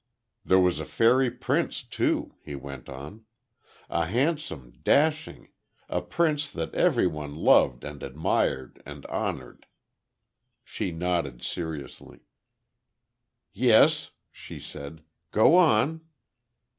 There was a fairy prince, too," he went on, "a handsome, dashing a prince that everyone loved and admired and honored." She nodded, seriously. "Yes," she said. "Go on."